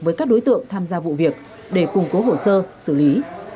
với các đối tượng tham gia vụ việc để củng cố hồ sơ xử lý